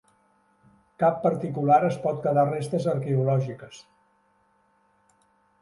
Cap particular es pot quedar restes arqueològiques.